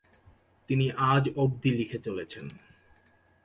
তিনি আজ অব্দি লিখে চলেছেন।